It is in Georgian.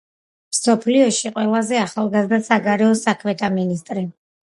მსოფლიოში ყველაზე ახალგაზრდა საგარეო საქმეთა მინისტრი.